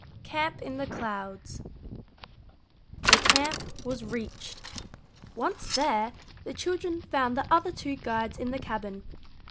XII CAMP IN THE CLOUDS The camp was reached. Once there, the children found the other two guides in the cabin.